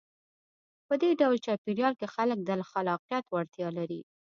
په دې ډول چاپېریال کې خلک د خلاقیت وړتیا لري.